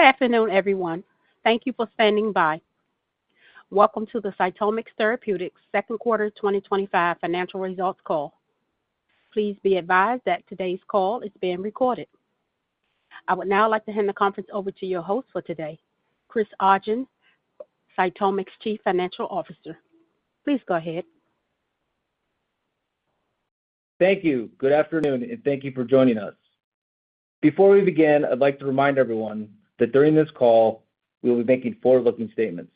Good afternoon, everyone. Thank you for standing by. Welcome to the CytomX Therapeutics Second Quarter 2025 Financial Results Call. Please be advised that today's call is being recorded. I would now like to hand the conference over to your host for today, Chris Ogden, CytomX Chief Financial Officer. Please go ahead. Thank you. Good afternoon, and thank you for joining us. Before we begin, I'd like to remind everyone that during this call, we will be making forward-looking statements.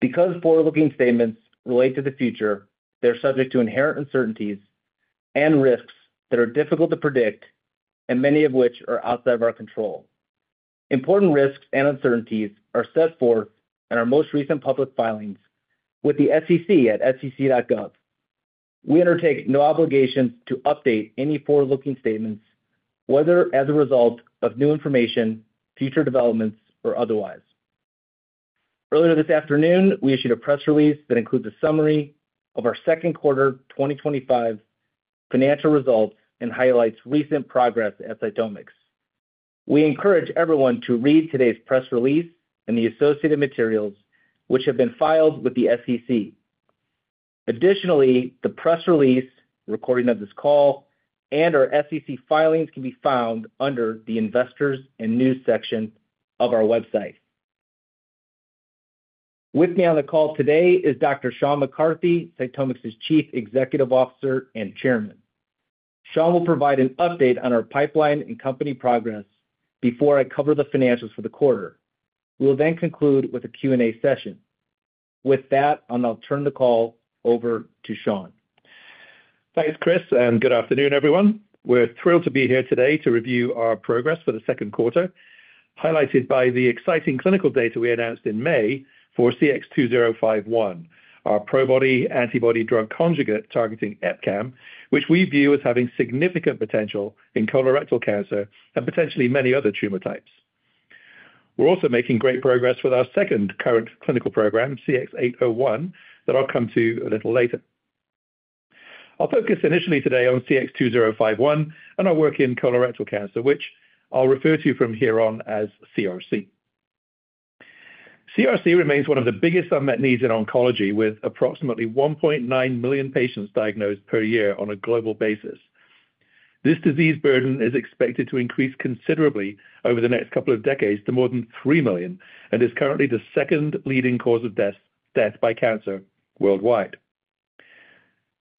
Because forward-looking statements relate to the future, they're subject to inherent uncertainties and risks that are difficult to predict, and many of which are outside of our control. Important risks and uncertainties are set forth in our most recent public filings with the SEC at sec.gov. We undertake no obligation to update any forward-looking statements, whether as a result of new information, future developments, or otherwise. Earlier this afternoon, we issued a press release that includes a summary of our Second Quarter 2025 Financial Results and highlights recent progress at CytomX. We encourage everyone to read today's press release and the associated materials, which have been filed with the SEC. Additionally, the press release, recording of this call, and our SEC filings can be found under the Investors and News section of our website. With me on the call today is Dr. Sean A. McCarthy, CytomX's Chief Executive Officer and Chairman. Sean will provide an update on our pipeline and company progress before I cover the financials for the quarter. We will then conclude with a Q&A session. With that, I'll now turn the call over to Sean. Thanks, Chris, and good afternoon, everyone. We're thrilled to be here today to review our progress for the second quarter, highlighted by the exciting clinical data we announced in May for CX-2051, our probody antibody-drug conjugate targeting EpCAM, which we view as having significant potential in colorectal cancer and potentially many other tumor types. We're also making great progress with our second current clinical program, CX-801, that I'll come to a little later. I'll focus initially today on CX-2051 and our work in colorectal cancer, which I'll refer to from here on as CRC. CRC remains one of the biggest unmet needs in oncology, with approximately 1.9 million patients diagnosed per year on a global basis. This disease burden is expected to increase considerably over the next couple of decades to more than 3 million and is currently the second leading cause of death by cancer worldwide.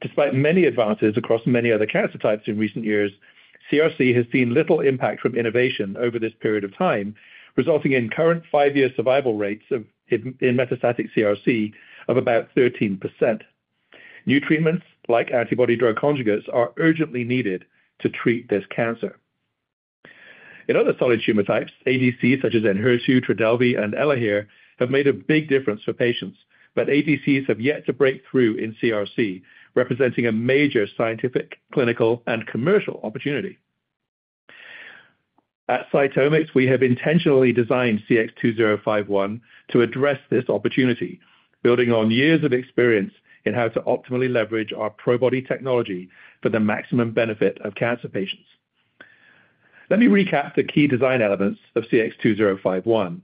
Despite many advances across many other cancer types in recent years, CRC has seen little impact from innovation over this period of time, resulting in current five-year survival rates in metastatic CRC of about 13%. New treatments like antibody-drug conjugates are urgently needed to treat this cancer. In other solid tumor types, ADCs such as Enhertu, Trodelvy, and Elahere have made a big difference for patients, but ADCs have yet to break through in CRC, representing a major scientific, clinical, and commercial opportunity. At CytomX, we have intentionally designed CX-2051 to address this opportunity, building on years of experience in how to optimally leverage our probody technology for the maximum benefit of cancer patients. Let me recap the key design elements of CX-2051.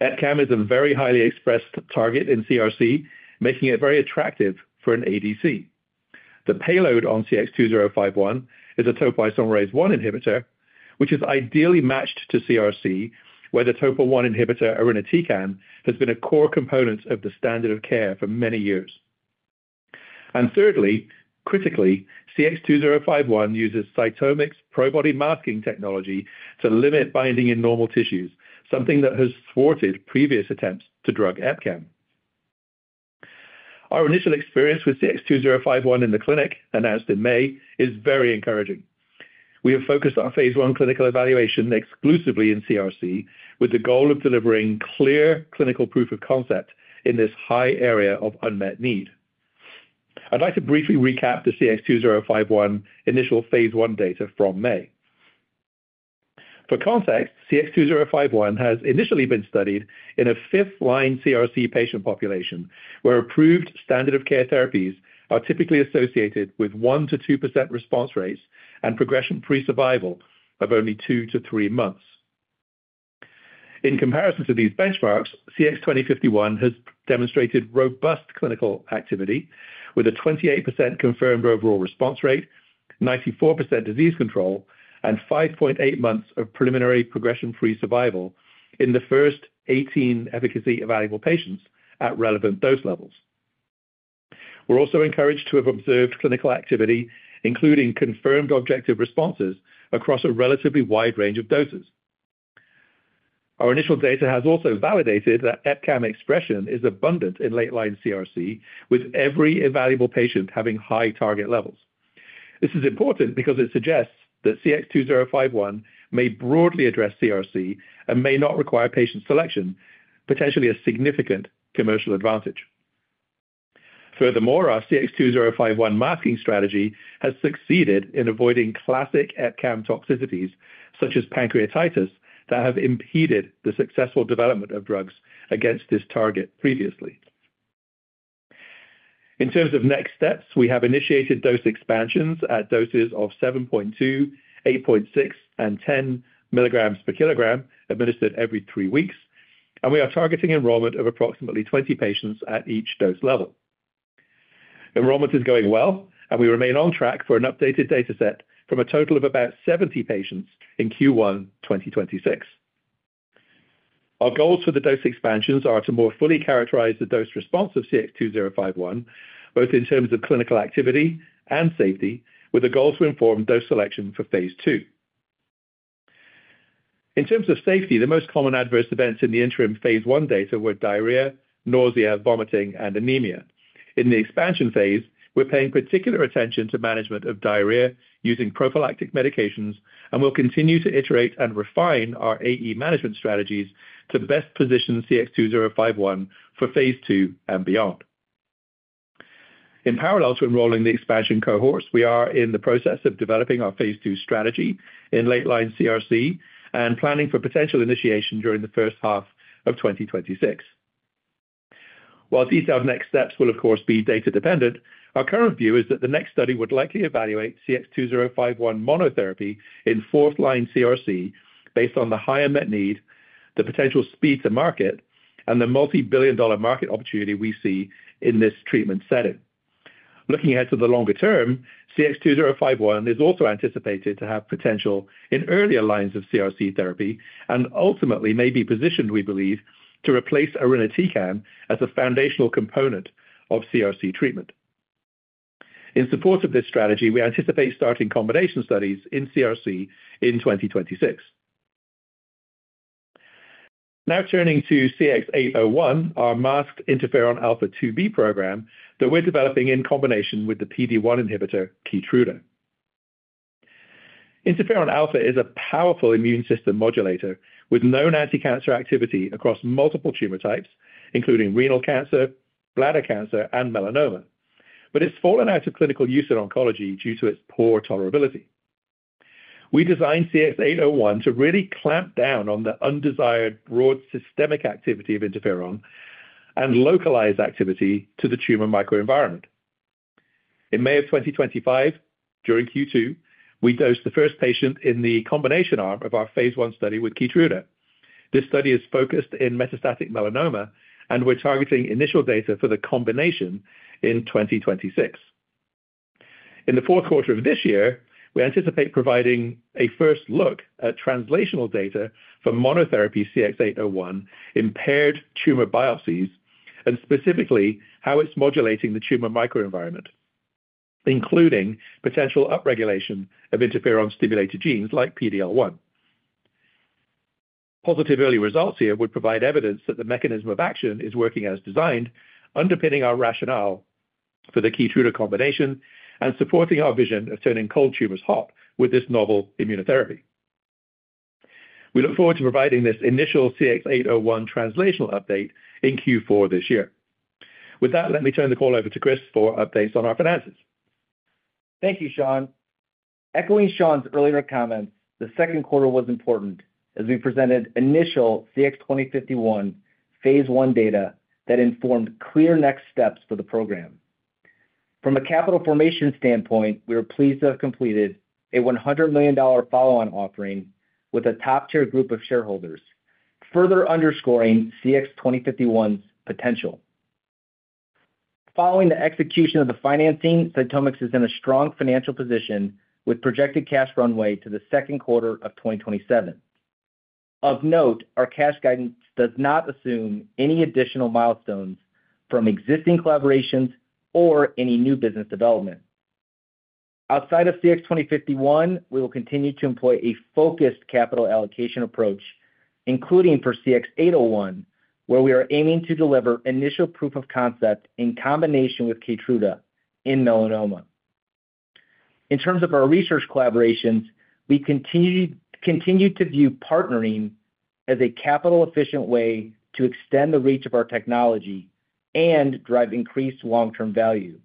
EpCAM is a very highly expressed target in CRC, making it very attractive for an ADC. The payload on CX-2051 is a topoisomerase-1 inhibitor, which is ideally matched to CRC, where the Topo-1 inhibitor irinotecan has been a core component of the standard of care for many years. Critically, CX-2051 uses CytomX probody masking technology to limit binding in normal tissues, something that has thwarted previous attempts to drug EpCAM. Our initial experience with CX-2051 in the clinic, announced in May, is very encouraging. We have focused our phase I clinical evaluation exclusively in CRC, with the goal of delivering clear clinical proof of concept in this high area of unmet need. I'd like to briefly recap the CX-2051 initial phase I data from May. For context, CX-2051 has initially been studied in a fifth-line CRC patient population, where approved standard of care therapies are typically associated with 1%-2% response rates and progression-free survival of only two to three months. In comparison to these benchmarks, CX-2051 has demonstrated robust clinical activity, with a 28% confirmed overall response rate, 94% disease control, and 5.8 months of preliminary progression-free survival in the first 18 efficacy evaluable patients at relevant dose levels. We're also encouraged to have observed clinical activity, including confirmed objective responses across a relatively wide range of doses. Our initial data has also validated that EpCAM expression is abundant in late-line CRC, with every evaluable patient having high target levels. This is important because it suggests that CX-2051 may broadly address CRC and may not require patient selection, potentially a significant commercial advantage. Furthermore, our CX-2051 masking strategy has succeeded in avoiding classic EpCAM toxicities, such as pancreatitis, that have impeded the successful development of drugs against this target previously. In terms of next steps, we have initiated dose expansions at doses of 7.2, 8.6, and 10 mg per kg administered every three weeks, and we are targeting enrollment of approximately 20 patients at each dose level. Enrollment is going well, and we remain on track for an updated data set from a total of about 70 patients in Q1 2026. Our goals for the dose expansions are to more fully characterize the dose response of CX-2051, both in terms of clinical activity and safety, with a goal to inform dose selection for phase II. In terms of safety, the most common adverse events in the interim phase I data were diarrhea, nausea, vomiting, and anemia. In the expansion phase, we're paying particular attention to management of diarrhea using prophylactic medications, and we'll continue to iterate and refine our AE management strategies to best position CX-2051 for phase II and beyond. In parallel to enrolling the expansion cohorts, we are in the process of developing our phase II strategy in late-line CRC and planning for potential initiation during the first half of 2026. While detailed next steps will, of course, be data-dependent, our current view is that the next study would likely evaluate CX-2051 monotherapy in fourth-line CRC based on the high unmet need, the potential speed to market, and the multi-billion dollar market opportunity we see in this treatment setting. Looking ahead to the longer term, CX-2051 is also anticipated to have potential in earlier lines of CRC therapy and ultimately may be positioned, we believe, to replace irinotecan as a foundational component of CRC treatment. In support of this strategy, we anticipate starting combination studies in CRC in 2026. Now turning to CX-801, our masked interferon alpha-2b program that we're developing in combination with the PD-1 inhibitor Keytruda. Interferon alpha is a powerful immune system modulator with known anticancer activity across multiple tumor types, including renal cancer, bladder cancer, and melanoma, but it's fallen out of clinical use in oncology due to its poor tolerability. We designed CX-801 to really clamp down on the undesired broad systemic activity of interferon and localize activity to the tumor microenvironment. In May of 2025, during Q2, we dosed the first patient in the combination arm of our phase I study with Keytruda. This study is focused in metastatic melanoma, and we're targeting initial data for the combination in 2026. In the fourth quarter of this year, we anticipate providing a first look at translational data for monotherapy CX-801 in paired tumor biopsies and specifically how it's modulating the tumor microenvironment, including potential upregulation of interferon-stimulated genes like PD-L1. Positive early results here would provide evidence that the mechanism of action is working as designed, underpinning our rationale for the Keytruda combination and supporting our vision of turning cold tumors hot with this novel immunotherapy. We look forward to providing this initial CX-801 translational update in Q4 this year. With that, let me turn the call over to Chris for updates on our finances. Thank you, Sean. Echoing Sean's earlier comment, the second quarter was important as we presented initial CX-2051 phase I data that informed clear next steps for the program. From a capital formation standpoint, we are pleased to have completed a $100 million follow-on offering with a top-tier group of shareholders, further underscoring CX-2051's potential. Following the execution of the financing, CytomX is in a strong financial position with projected cash runway to the second quarter of 2027. Of note, our cash guidance does not assume any additional milestones from existing collaborations or any new business development. Outside of CX-2051, we will continue to employ a focused capital allocation approach, including for CX-801, where we are aiming to deliver initial proof of concept in combination with Keytruda in melanoma. In terms of our research collaborations, we continue to view partnering as a capital-efficient way to extend the reach of our technology and drive increased long-term value.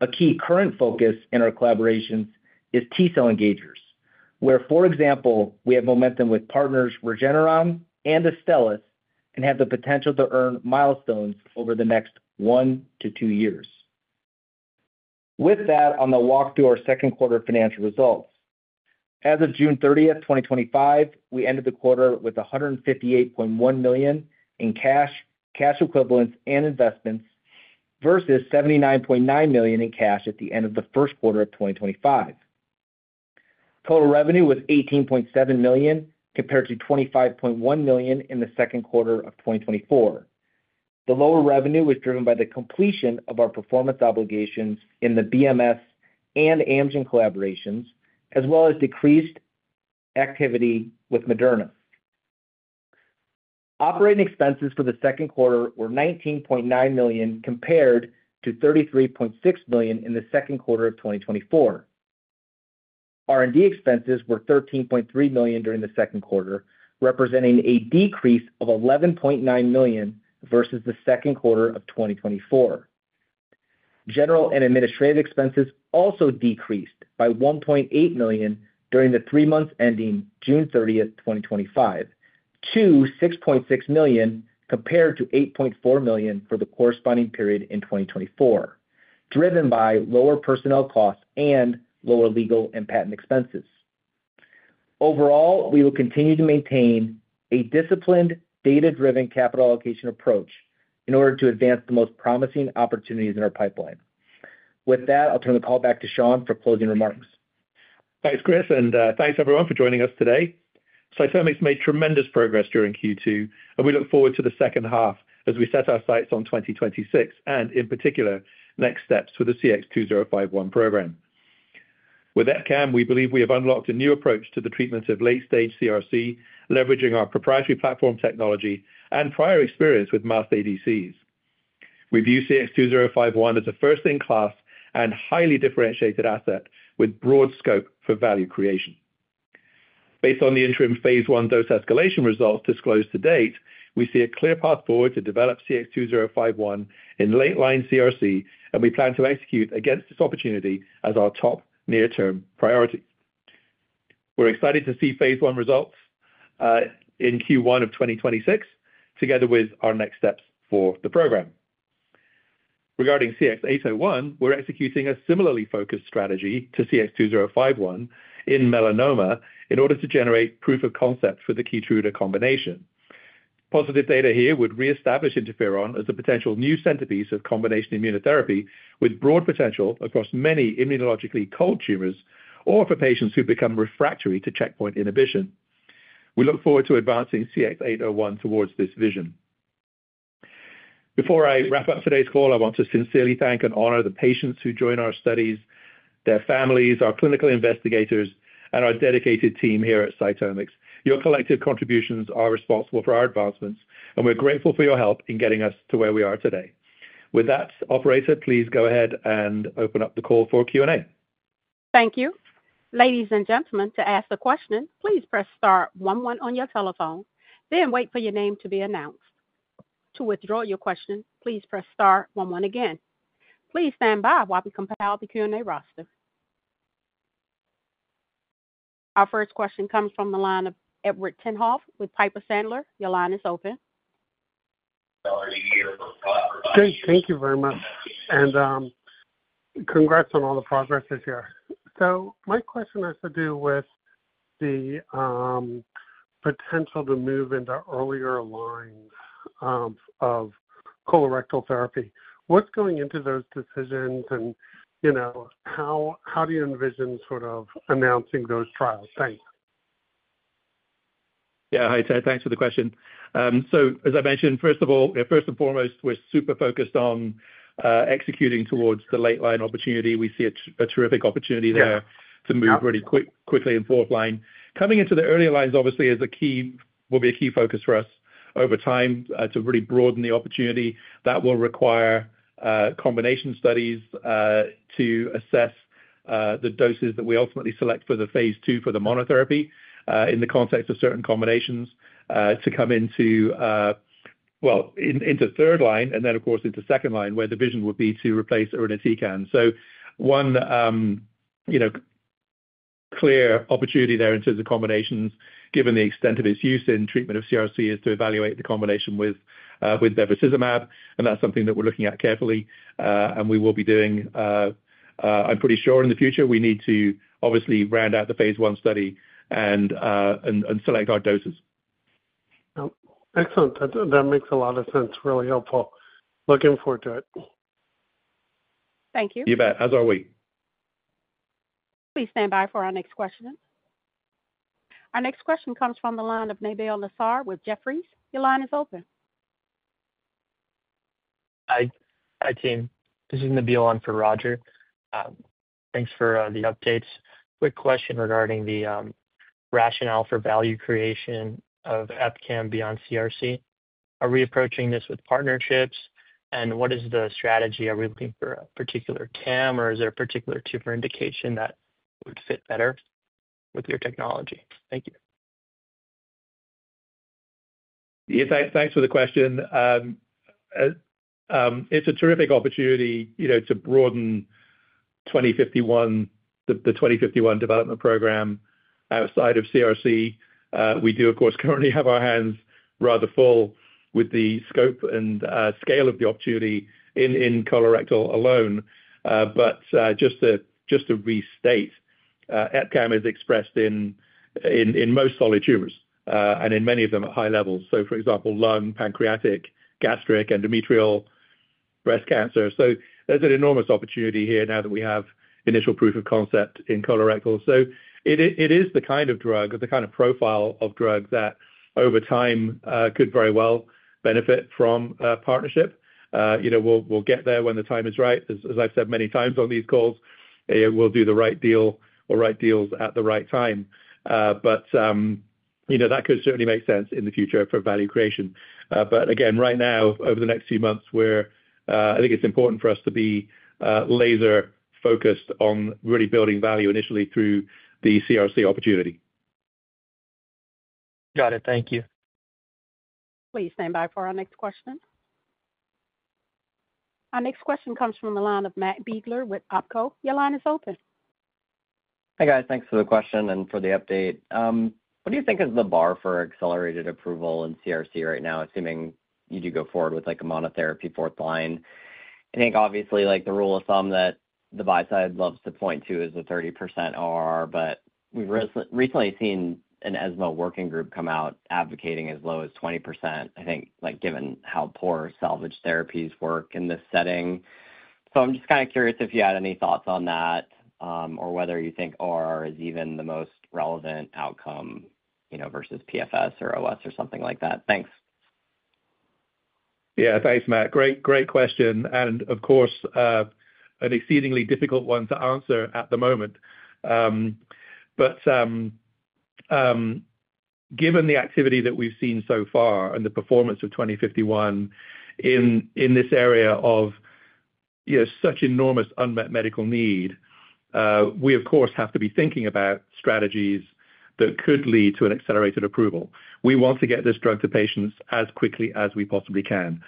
A key current focus in our collaborations is T-cell engagers, where, for example, we have momentum with partners Regeneron and Astellas and have the potential to earn milestones over the next one to two years. With that, on the walk through our second quarter financial results, as of June 30th, 2025, we ended the quarter with $158.1 million in cash, cash equivalents, and investments versus $79.9 million in cash at the end of the first quarter of 2025. Total revenue was $18.7 million compared to $25.1 million in the second quarter of 2024. The lower revenue was driven by the completion of our performance obligations in the Bristol Myers Squibb and Amgen collaborations, as well as decreased activity with Moderna. Operating expenses for the second quarter were $19.9 million compared to $33.6 million in the second quarter of 2024. R&D expenses were $13.3 million during the second quarter, representing a decrease of $11.9 million versus the second quarter of 2024. General and administrative expenses also decreased by $1.8 million during the three months ending June 30th, 2025, to $6.6 million compared to $8.4 million for the corresponding period in 2024, driven by lower personnel costs and lower legal and patent expenses. Overall, we will continue to maintain a disciplined, data-driven capital allocation approach in order to advance the most promising opportunities in our pipeline. With that, I'll turn the call back to Sean for closing remarks. Thanks, Chris, and thanks everyone for joining us today. CytomX made tremendous progress during Q2, and we look forward to the second half as we set our sights on 2026 and, in particular, next steps for the CX-2051 program. With EpCAM, we believe we have unlocked a new approach to the treatment of late-stage CRC, leveraging our proprietary platform technology and prior experience with masked ADCs. We view CX-2051 as a first-in-class and highly differentiated asset with broad scope for value creation. Based on the interim phase I dose escalation results disclosed to date, we see a clear path forward to develop CX-2051 in late-line CRC, and we plan to execute against this opportunity as our top near-term priority. We're excited to see phase I results in Q1 of 2026, together with our next steps for the program. Regarding CX-801, we're executing a similarly focused strategy to CX-2051 in melanoma in order to generate proof of concept for the Keytruda combination. Positive data here would reestablish interferon as a potential new centerpiece of combination immunotherapy with broad potential across many immunologically cold tumors or for patients who become refractory to checkpoint inhibition. We look forward to advancing CX-801 towards this vision. Before I wrap up today's call, I want to sincerely thank and honor the patients who join our studies, their families, our clinical investigators, and our dedicated team here at CytomX. Your collective contributions are responsible for our advancements, and we're grateful for your help in getting us to where we are today. With that, please go ahead and open up the call for Q&A. Thank you. Ladies and gentlemen, to ask a question, please press star one one on your telephone, then wait for your name to be announced. To withdraw your question, please press star one one again. Please stand by while we compile the Q&A roster. Our first question comes from the line of Edward Tenthoff with Piper Sandler. Your line is open. Great. Thank you very much. Congrats on all the progress this year. My question has to do with the potential to move into earlier lines of colorectal therapy. What's going into those decisions, and how do you envision sort of announcing those trials? Thanks. Yeah. Hi, Ed. Thanks for the question. As I mentioned, first of all, first and foremost, we're super focused on executing towards the late-line opportunity. We see a terrific opportunity there to move really quickly in fourth line. Coming into the earlier lines, obviously, is a key focus for us over time to really broaden the opportunity. That will require combination studies to assess the doses that we ultimately select for the phase II for the monotherapy in the context of certain combinations to come into, into third line and then, of course, into second line where the vision would be to replace irinotecan. One clear opportunity there in terms of combinations, given the extent of its use in treatment of CRC, is to evaluate the combination with bevacizumab, and that's something that we're looking at carefully and we will be doing, I'm pretty sure, in the future. We need to obviously round out the phase I study and select our doses. Excellent. I think that makes a lot of sense. Really helpful. Looking forward to it. Thank you. You bet, as are we. Please stand by for our next question. Our next question comes from the line of Nabeel Nissar with Jefferies. Your line is open. Hi, team. This is Nabeel on for Roger. Thanks for the updates. Quick question regarding the rationale for value creation of EpCAM beyond CRC. Are we approaching this with partnerships, and what is the strategy? Are we looking for a particular CAM, or is there a particular tumor indication that would fit better with your technology? Thank you. Yes, thanks for the question. It's a terrific opportunity to broaden the CX-2051 development program outside of CRC. We do, of course, currently have our hands rather full with the scope and scale of the opportunity in colorectal alone. Just to restate, EpCAM is expressed in most solid tumors and in many of them at high levels. For example, lung, pancreatic, gastric, endometrial, breast cancer. There's an enormous opportunity here now that we have initial proof of concept in colorectal. It is the kind of drug, the kind of profile of drug that over time could very well benefit from partnership. We'll get there when the time is right. As I've said many times on these calls, we'll do the right deal or right deals at the right time. That could certainly make sense in the future for value creation. Again, right now, over the next few months, I think it's important for us to be laser-focused on really building value initially through the CRC opportunity. Got it. Thank you. Please stand by for our next question. Our next question comes from the line of Matt Biegler with OpCo. Your line is open. Hey, guys. Thanks for the question and for the update. What do you think is the bar for accelerated approval in CRC right now, assuming you do go forward with like a monotherapy fourth line? I think, obviously, like the rule of thumb that the buy side loves to point to is a 30% ORR, but we've recently seen an ESMO working group come out advocating as low as 20%, I think, like given how poor salvage therapies work in this setting. I'm just kind of curious if you had any thoughts on that or whether you think ORR is even the most relevant outcome, you know, versus PFS or OS or something like that. Thanks. Yeah. Thanks, Matt. Great question. Of course, an exceedingly difficult one to answer at the moment. Given the activity that we've seen so far and the performance of CX-2051 in this area of such enormous unmet medical need, we, of course, have to be thinking about strategies that could lead to an accelerated approval. We want to get this drug to patients as quickly as we possibly can.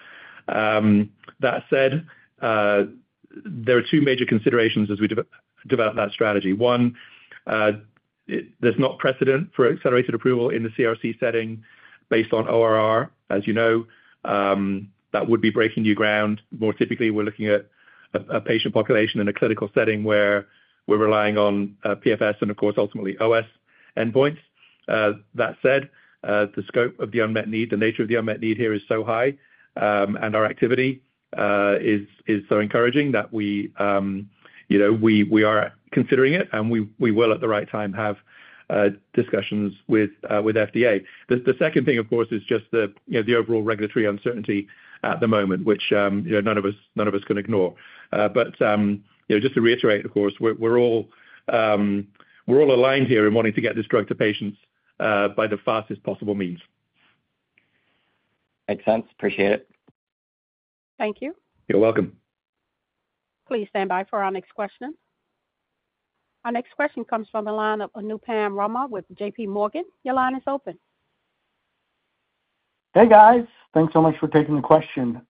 That said, there are two major considerations as we develop that strategy. One, there's not precedent for accelerated approval in the colorectal cancer setting based on overall response rate. As you know, that would be breaking new ground. More typically, we're looking at a patient population in a clinical setting where we're relying on progression-free survival and, of course, ultimately overall survival endpoints. That said, the scope of the unmet need, the nature of the unmet need here is so high, and our activity is so encouraging that we are considering it, and we will, at the right time, have discussions with FDA. The second thing, of course, is just the overall regulatory uncertainty at the moment, which none of us can ignore. Just to reiterate, of course, we're all aligned here in wanting to get this drug to patients by the fastest possible means. Makes sense. Appreciate it. Thank you. You're welcome. Please stand by for our next question. Our next question comes from the line of Anupam Rama with JPMorgan. Your line is open. Hey, guys. Thanks so much for taking the question.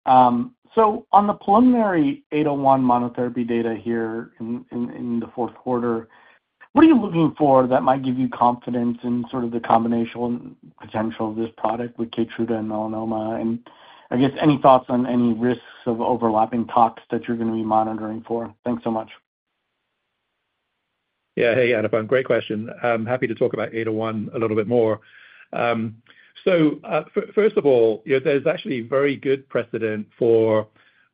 On the preliminary 801 monotherapy data here in the fourth quarter, what are you looking for that might give you confidence in sort of the combination potential of this product with Keytruda in melanoma? I guess any thoughts on any risks of overlapping tox that you're going to be monitoring for? Thanks so much. Yeah. Hey, Anupam. Great question. I'm happy to talk about 801 a little bit more. First of all, there's actually very good precedent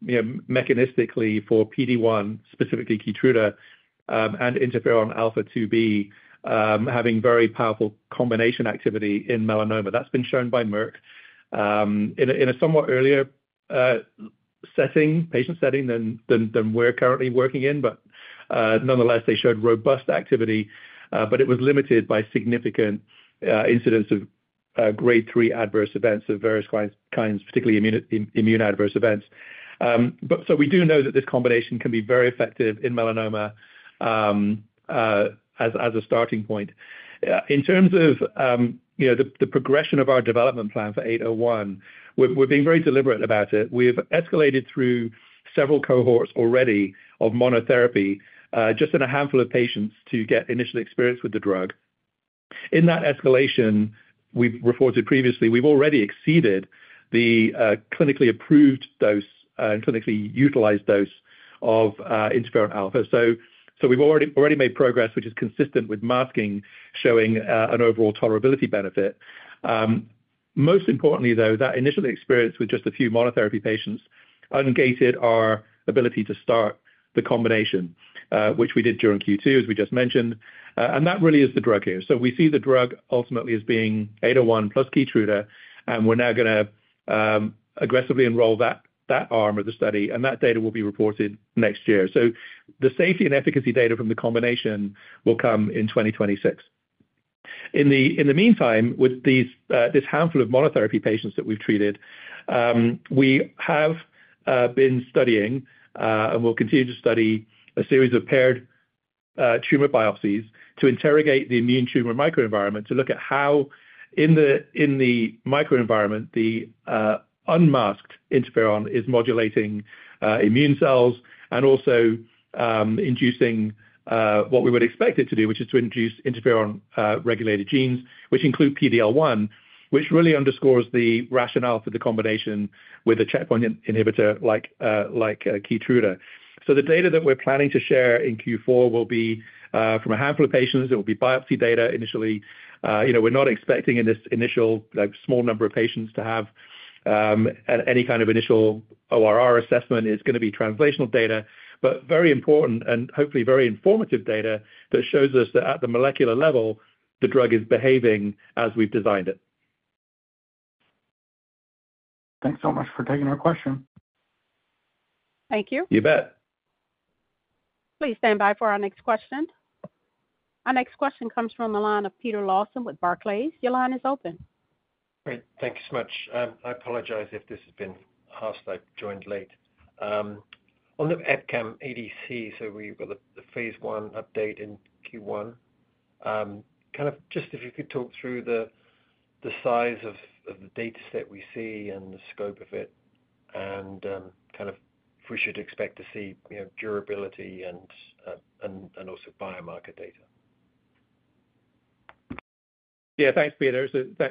mechanistically for PD-1, specifically Keytruda, and interferon alpha-2b having very powerful combination activity in melanoma. That's been shown by Merck in a somewhat earlier patient setting than we're currently working in. Nonetheless, they showed robust activity, but it was limited by significant incidence of grade 3 adverse events of various kinds, particularly immune adverse events. We do know that this combination can be very effective in melanoma as a starting point. In terms of the progression of our development plan for 801, we're being very deliberate about it. We've escalated through several cohorts already of monotherapy just in a handful of patients to get initial experience with the drug. In that escalation, we've reported previously, we've already exceeded the clinically approved dose and clinically utilized dose of interferon alpha. We've already made progress, which is consistent with masking, showing an overall tolerability benefit. Most importantly, that initial experience with just a few monotherapy patients ungated our ability to start the combination, which we did during Q2, as we just mentioned. That really is the drug here. We see the drug ultimately as being 801 + Keytruda, and we're now going to aggressively enroll that arm of the study, and that data will be reported next year. The safety and efficacy data from the combination will come in 2026. In the meantime, with this handful of monotherapy patients that we've treated, we have been studying and will continue to study a series of paired tumor biopsies to interrogate the immune tumor microenvironment to look at how, in the microenvironment, the unmasked interferon is modulating immune cells and also inducing what we would expect it to do, which is to induce interferon-regulated genes, which include PD-L1, which really underscores the rationale for the combination with a checkpoint inhibitor like Keytruda. The data that we're planning to share in Q4 will be from a handful of patients. It will be biopsy data initially. We're not expecting in this initial small number of patients to have any kind of initial ORR assessment. It's going to be translational data, but very important and hopefully very informative data that shows us that at the molecular level, the drug is behaving as we've designed it. Thanks so much for taking our question. Thank you. You bet. Please stand by for our next question. Our next question comes from the line of Peter Lawson with Barclays. Your line is open. Great. Thank you so much. I apologize if this has been harsh. I joined late. On the EpCAM ADC, we've got the phase I update in Q1. If you could talk through the size of the data set we see and the scope of it, and if we should expect to see durability and also biomarker data. Yeah. Thanks, Peter.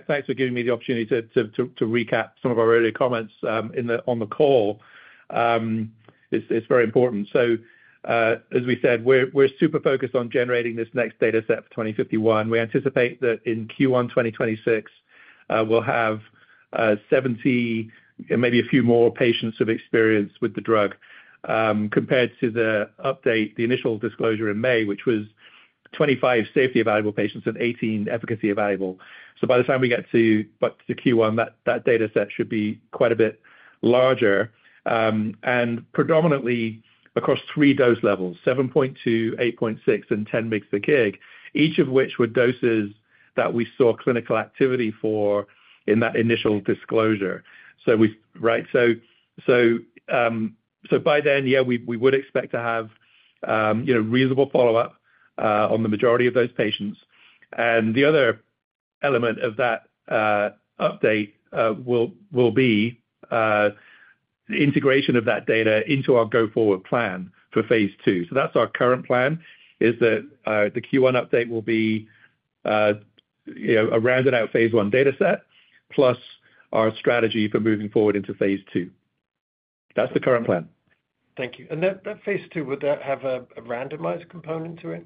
Thanks for giving me the opportunity to recap some of our earlier comments on the call. It's very important. As we said, we're super focused on generating this next data set for CX-2051. We anticipate that in Q1 2026, we'll have 70 and maybe a few more patients of experience with the drug compared to the update, the initial disclosure in May, which was 25 safety evaluable patients and 18 efficacy evaluable. By the time we get to Q1, that data set should be quite a bit larger and predominantly across three dose levels, 7.2, 8.6, and 10 mg/kg, each of which were doses that we saw clinical activity for in that initial disclosure. By then, we would expect to have reasonable follow-up on the majority of those patients. The other element of that update will be the integration of that data into our go-forward plan for phase II. Our current plan is that the Q1 update will be a rounded-out phase I data set plus our strategy for moving forward into phase II. That's the current plan. Thank you. Would that phase II have a randomized component to it?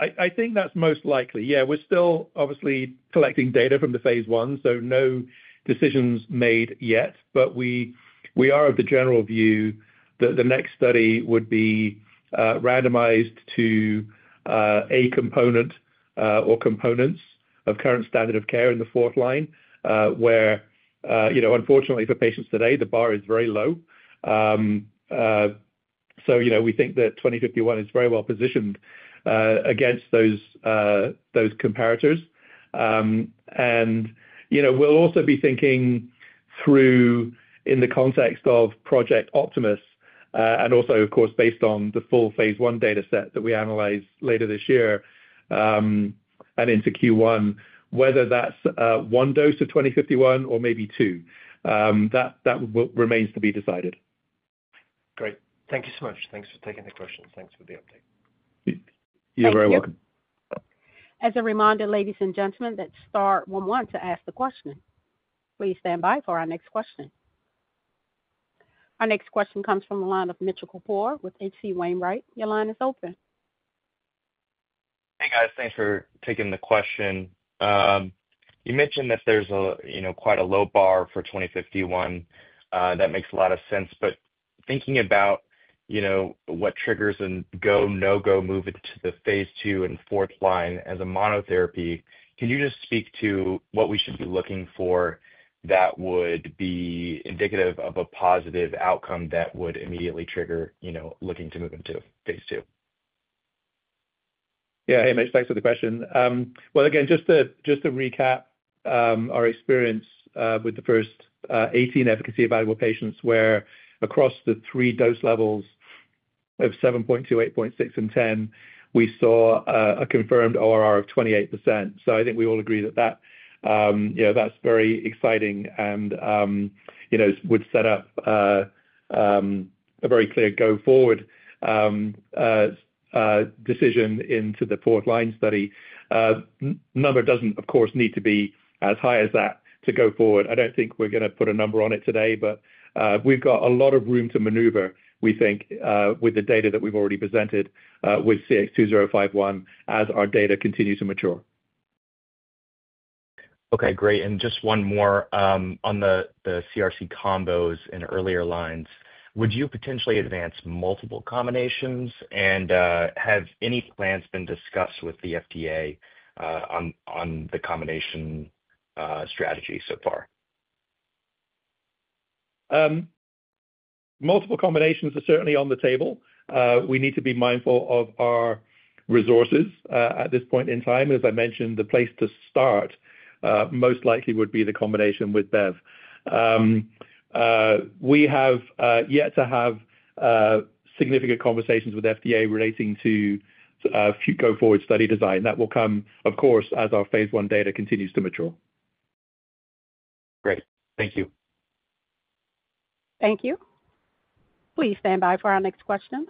I think that's most likely. We're still obviously collecting data from the phase I, so no decisions made yet. We are of the general view that the next study would be randomized to a component or components of current standard of care in the fourth line, where, unfortunately, for patients today, the bar is very low. We think that CX-2051 is very well positioned against those comparators. We'll also be thinking through in the context of Project Optimus and also, of course, based on the full phase I data set that we analyze later this year and into Q1, whether that's one dose of CX-2051 or maybe two. That remains to be decided. Great. Thank you so much. Thanks for taking the question. Thanks for the update. You're very welcome. As a reminder, ladies and gentlemen, that's star one one to ask the question. Please stand by for our next question. Our next question comes from the line of Mitchell Kapoor with H.C. Wainwright. Your line is open. Hey, guys. Thanks for taking the question. You mentioned that there's quite a low bar for CX-2051. That makes a lot of sense. Thinking about what triggers a no-go move to the phase II and fourth line as a monotherapy, can you just speak to what we should be looking for that would be indicative of a positive outcome that would immediately trigger looking to move into phase II? Yeah. Hey, Mitch. Thanks for the question. Just to recap our experience with the first 18 efficacy evaluable patients, across the three dose levels of 7.2, 8.6, and 10, we saw a confirmed ORR of 28%. I think we all agree that that's very exciting and would set up a very clear go-forward decision into the fourth line study. The number doesn't, of course, need to be as high as that to go forward. I don't think we're going to put a number on it today, but we've got a lot of room to maneuver, we think, with the data that we've already presented with CX-2051 as our data continues to mature. Okay. Great. Just one more on the CRC combos and earlier lines. Would you potentially advance multiple combinations? Have any plans been discussed with the FDA on the combination strategy so far? Multiple combinations are certainly on the table. We need to be mindful of our resources at this point in time. As I mentioned, the place to start most likely would be the combination with Bev. We have yet to have significant conversations with the FDA relating to future go-forward study design. That will come, of course, as our phase I data continues to mature. Great. Thank you. Thank you. Please stand by for our next question.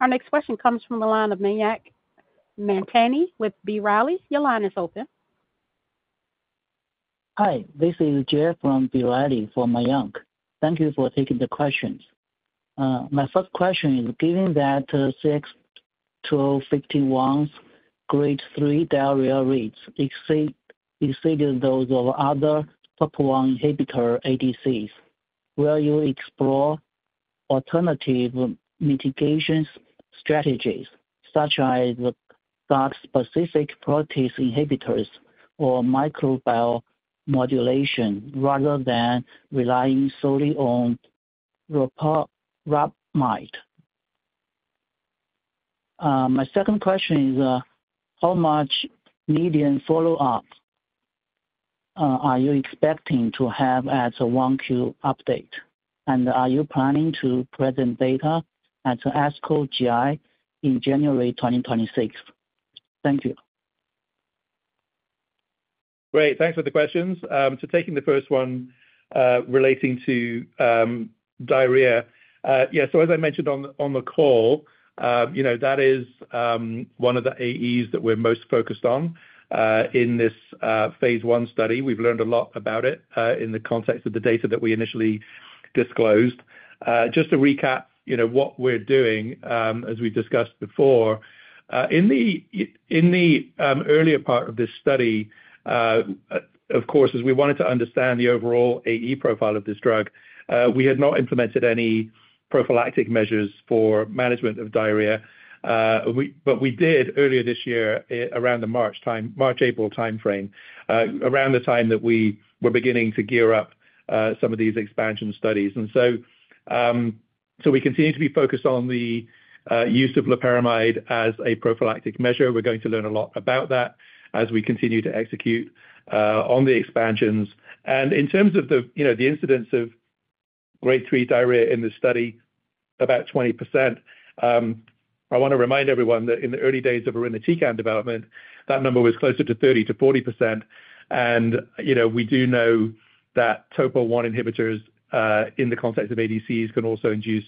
Our next question comes from the line of Mayank Mantani with B. Riley. Your line is open. Hi. This is Jeff from B. Riley for Mayank. Thank you for taking the questions. My first question is, given that CX-2051's grade 3 diarrhea rates exceed those of other Topo-1 inhibitor ADCs, will you explore alternative mitigation strategies such as specific protease inhibitors or microbial modulation rather than relying solely on loperamide? My second question is, how much median follow-up are you expecting to have as a 1Q update? Are you planning to present data at ASCO GI in January 2026? Thank you. Great. Thanks for the questions. Taking the first one relating to diarrhea, yeah. As I mentioned on the call, that is one of the AEs that we're most focused on in this phase I study. We've learned a lot about it in the context of the data that we initially disclosed. Just to recap, what we're doing, as we've discussed before, in the earlier part of this study, of course, as we wanted to understand the overall AE profile of this drug, we had not implemented any prophylactic measures for management of diarrhea. We did earlier this year around the March time, March-April timeframe, around the time that we were beginning to gear up some of these expansion studies. We continue to be focused on the use of loperamide as a prophylactic measure. We're going to learn a lot about that as we continue to execute on the expansions. In terms of the incidence of grade 3 diarrhea in this study, about 20%. I want to remind everyone that in the early days of irinotecan development, that number was closer to 30%-40%. We do know that Topo-1 inhibitors in the context of ADCs can also induce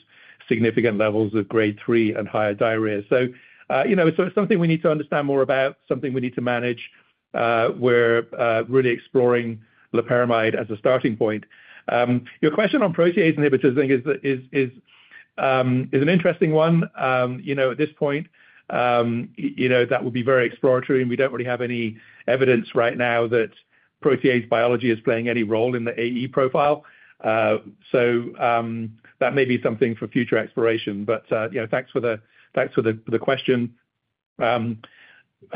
significant levels of grade 3 and higher diarrhea. It's something we need to understand more about, something we need to manage. We're really exploring loperamide as a starting point. Your question on protease inhibitors, I think, is an interesting one. At this point, that would be very exploratory, and we don't really have any evidence right now that protease biology is playing any role in the AE profile. That may be something for future exploration. Thanks for the question. I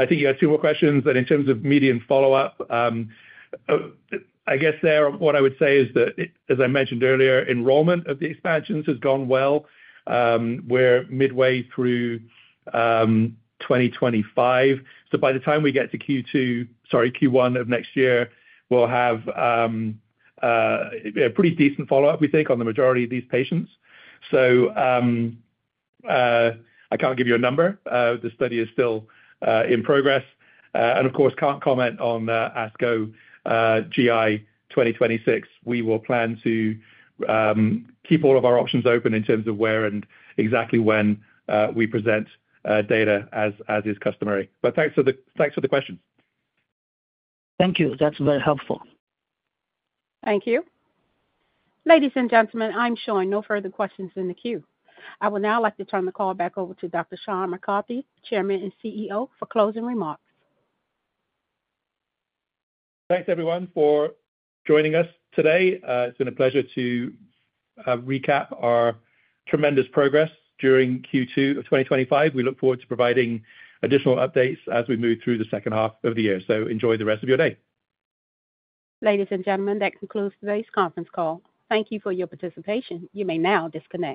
think you had two more questions. In terms of median follow-up, I guess there what I would say is that, as I mentioned earlier, enrollment of the expansions has gone well. We're midway through 2025. By the time we get to Q2, sorry, Q1 of next year, we'll have a pretty decent follow-up, we think, on the majority of these patients. I can't give you a number. The study is still in progress. Of course, can't comment on the ASCO GI 2026. We will plan to keep all of our options open in terms of where and exactly when we present data as is customary. Thanks for the question. Thank you. That's very helpful. Thank you. Ladies and gentlemen, I'm showing no further questions in the queue. I would now like to turn the call back over to Dr. Sean McCarthy, Chairman and CEO, for closing remarks. Thanks, everyone, for joining us today. It's been a pleasure to recap our tremendous progress during Q2 of 2025. We look forward to providing additional updates as we move through the second half of the year. Enjoy the rest of your day. Ladies and gentlemen, that concludes today's conference call. Thank you for your participation. You may now disconnect.